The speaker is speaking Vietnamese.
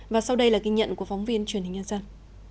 và sau đây là ghi nhận của phóng viên truyền hình nhân dân